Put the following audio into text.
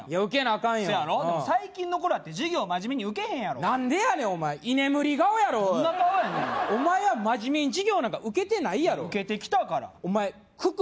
アカンよそやろでも最近の子らって授業マジメに受けへんやろ何でやねんお前居眠り顔やろどんな顔やねんお前はマジメに授業なんか受けてないやろ受けてきたからお前九九